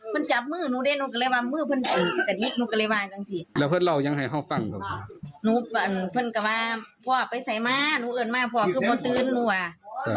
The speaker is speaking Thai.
แต่ว่าทางครอบครัวก็ไม่ได้มองไปในมุมปฏิหาร